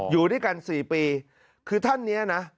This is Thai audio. อยู่ด้วยกัน๔ปีคือท่านนี้นะ